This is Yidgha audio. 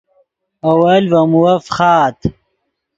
اول ڤے مووف فخآت